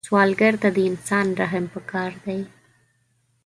سوالګر ته د انسان رحم پکار دی